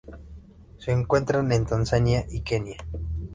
Se encuentran en Tanzania y Kenia.